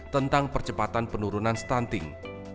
tentang percepatan penurunan stunting